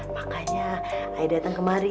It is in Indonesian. makanya saya datang kemari